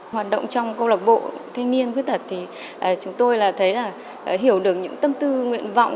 hoạt động trong công lộc bộ thanh niên khuyết tật thì chúng tôi thấy là hiểu được những tâm tư nguyện vọng